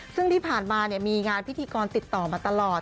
ซึ่งที่ผ่านมามีงานพิธีกรติดต่อมาตลอด